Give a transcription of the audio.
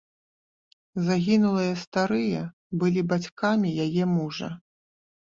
Загінулыя старыя былі бацькамі яе мужа.